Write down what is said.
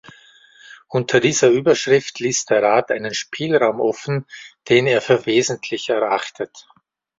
Unter dieser Überschrift ließ der Rat einen Spielraum offen, den er für wesentlich erachtet.